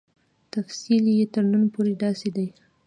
تفصیل یې تر نن پورې داسې دی.